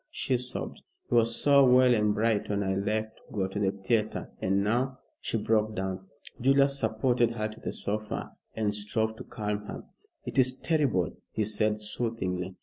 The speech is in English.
she sobbed. "He was so well and bright when I left to go to the theatre, and now" she broke down. Julius supported her to the sofa and strove to calm her. "It is terrible," he said soothingly.